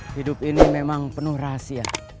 hidup ini memang penuh rahasia